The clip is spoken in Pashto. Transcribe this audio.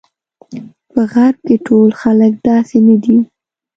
په غرب کې ټول خلک داسې نه دي.